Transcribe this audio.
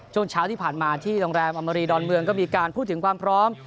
ช่วงเช้าที่ผ่านมาที่โรงแรมอมรีดอนเมืองก็มีการพูดถึงความพร้อม